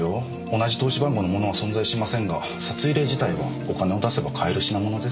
同じ通し番号のものは存在しませんが札入れ自体はお金を出せば買える品物ですから。